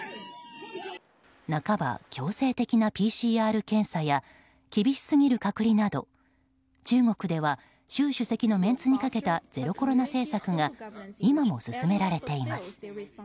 半ば強制的なＰＣＲ検査や厳しすぎる隔離など中国では習主席のメンツにかけたゼロコロナ政策が今も進められています。